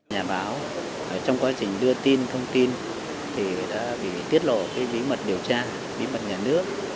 nhà báo trong quá trình đưa tin thông tin thì đã bị tiết lộ bí mật điều tra bí mật nhà nước